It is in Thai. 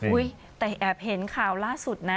แต่แอบเห็นข่าวล่าสุดนะ